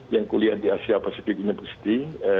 yang kuliah di asia pasifik university